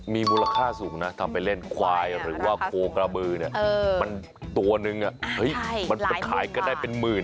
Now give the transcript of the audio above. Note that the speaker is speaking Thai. มีมูลค่าสูงนะทำไปเล่นควายหรือว่าโคกระบือเนี่ยมันตัวนึงมันขายกันได้เป็นหมื่น